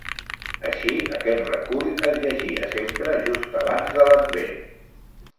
Així, aquest recull es llegia sempre just abans de l'Advent.